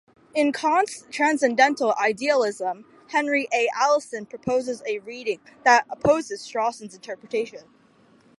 In "Kant's Transcendental Idealism", Henry A. Allison proposes a reading that opposes Strawson's interpretation.